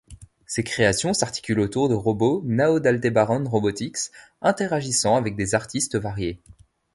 Ces créations s'articulent autour de robots Nao d'Aldebaran Robotics interagissant avec des artistes variés.